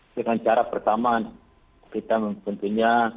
dengan cara pertama kita tentunya